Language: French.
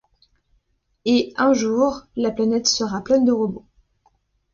Et un jour, la planète sera pleine de robots.